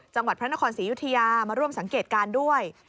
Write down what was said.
จังหวัดพระนครศรียุธยามาร่วมสังเกตการณ์ด้วย